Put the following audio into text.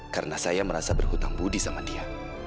karena saya merasa berhutang budi sama dia